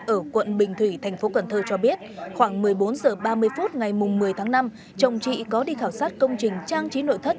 ở quận bình thủy tp cn cho biết khoảng một mươi bốn h ba mươi ngày một mươi tháng năm chồng chị có đi khảo sát công trình trang trí nội thất